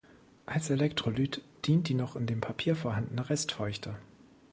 Als Elektrolyt dient die noch in dem Papier vorhandene Restfeuchte.